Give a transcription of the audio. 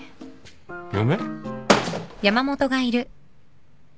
嫁？